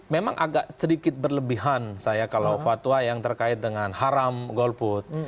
memang agak sedikit berlebihan saya kalau fatwa yang terkait dengan haram golput